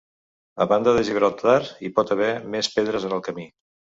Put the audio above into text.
A banda de Gibraltar, hi pot haver més pedres en el camí.